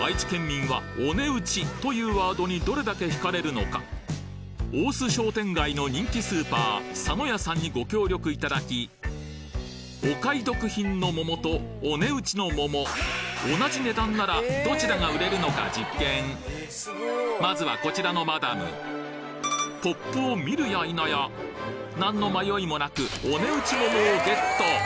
名古屋レディーならば大須商店街の人気スーパーサノヤさんにご協力いただきお買得品の桃とお値打ちの桃同じ値段ならどちらが売れるのか実験まずはこちらのマダムポップを見るや否や何の迷いもなくお値打ち桃をゲット！